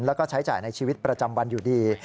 แล้วก็ใช้จ่ายในชีวิตประจำวันอยู่ดี